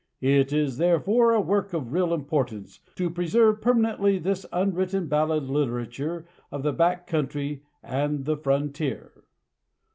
It is therefore a work of real importance to preserve permanently this unwritten ballad literature of the back country and the frontier.